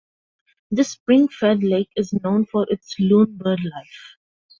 This spring-fed lake is known for its loon birdlife.